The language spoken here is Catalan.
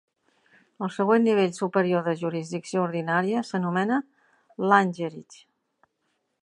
El següent nivell superior de jurisdicció ordinària s"anomena Landgericht.